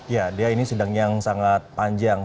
ya dia ini sedang yang sangat panjang